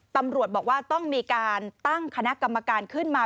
ตำรวจบอกว่าต้องมีการตั้งคณะกรรมการขึ้นมา